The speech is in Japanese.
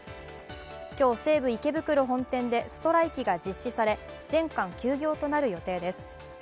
今日、西武池袋本店でストライキが実施され、全館休業となる予定です。